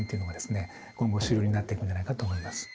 今後主流になっていくんじゃないかと思います。